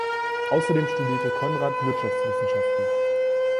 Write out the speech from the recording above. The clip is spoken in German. Außerdem studierte Conrad Wirtschaftswissenschaften.